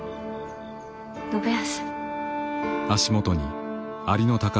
信康。